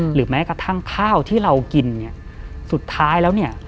หรือแม้กระทั่งข้าวที่เรากินเนี่ยสุดท้ายแล้วเนี่ย